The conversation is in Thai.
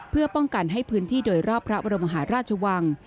เพื่อป้องกันให้พื้นที่โดยรอบพระบรมหาราชวัง